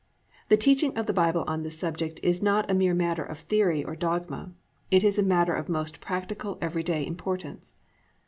The teaching of the Bible on this subject is not a mere matter of theory or dogma. It is a matter of most practical every day importance.